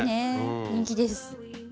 人気です。